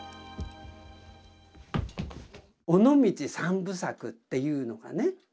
「尾道三部作」っていうのがね